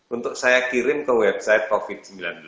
untuk saya kirim ke website covid sembilan belas